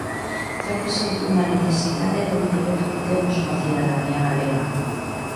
Trátase dunha necesidade e dun deber que temos coa cidadanía galega.